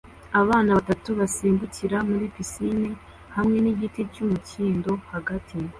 Abana batatu basimbukira muri pisine hamwe nigiti cy'umukindo hagati